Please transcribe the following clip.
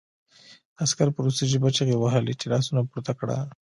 عسکر په روسي ژبه چیغې وهلې چې لاسونه پورته کړه